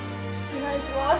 お願いします。